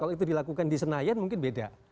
kalau itu dilakukan di senayan mungkin beda